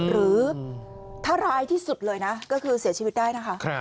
หรือถ้าร้ายที่สุดเลยนะก็คือเสียชีวิตได้นะคะ